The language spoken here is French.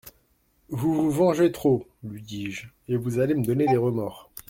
Vous vous vengez trop ! lui dis-je, et vous allez me donner des remords.